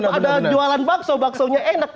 ada jualan bakso baksonya enak